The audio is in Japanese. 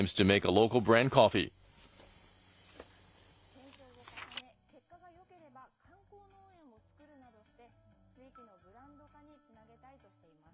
検証を重ね結果がよければ観光農園を作るなどして、地域のブランド化につなげたいとしています。